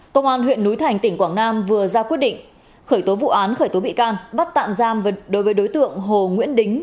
công an huyện núi thành tỉnh quảng nam vừa ra quyết định khởi tố vụ án khởi tố bị can bắt tạm giam đối với đối tượng hồ nguyễn đính